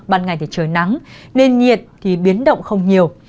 ban ngày trời nắng nên nhiệt biến động không nhiều